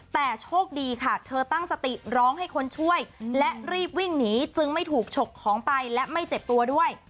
แต่โชคดีค่ะเธอตั้งสติร้องให้คนช่วยและรีบวิ่งหนีจึงไม่ถูกฉกของไปและไม่เจ็บตัวด้วย